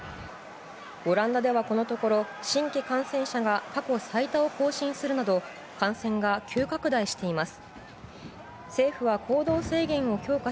オランダでは、このところ新規感染者が過去最多を更新するなど感染が急拡大しています。